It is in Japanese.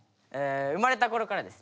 生まれたころからです。